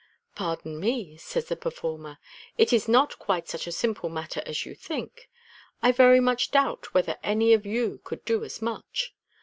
" Pardon me," says the performer, " it is not quite such a simple matter as you think. I very much doubt whether any of you could do as much.